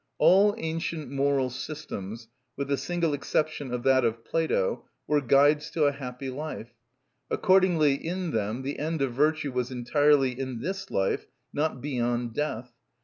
All ancient moral systems, with the single exception of that of Plato, were guides to a happy life. Accordingly in them the end of virtue was entirely in this life, not beyond death.